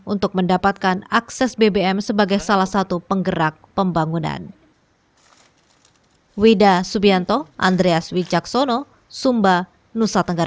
untuk mendapatkan akses bbm sebagai salah satu penggerak pembangunan